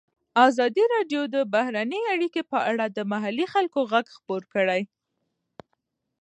ازادي راډیو د بهرنۍ اړیکې په اړه د محلي خلکو غږ خپور کړی.